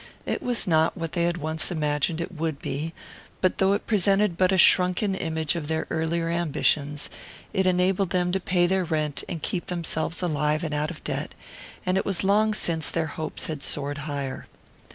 It was not what they had once imagined it would be, but though it presented but a shrunken image of their earlier ambitions it enabled them to pay their rent and keep themselves alive and out of debt; and it was long since their hopes had soared higher.